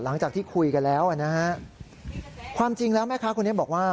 หลังจากที่คุยกันแล้วนะฮะความจริงแล้วแม่ค้าคนนี้บอกว่า